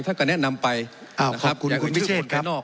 ท่านก็แนะนำไปอ้าวขอบคุณคุณพิเศษครับอย่าเอ่ยชื่อบุคคลภายนอก